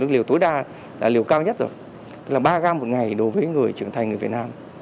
liều tối đa là liều cao nhất rồi là ba gram một ngày đối với người trưởng thành người việt nam